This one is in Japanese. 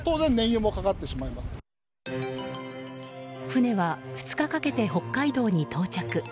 船は２日かけて北海道に到着。